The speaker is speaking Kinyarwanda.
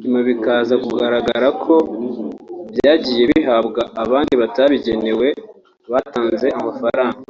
nyuma bikaza kugaragara ko byagiye bihabwa abandi batabigenewe batanze amafaranga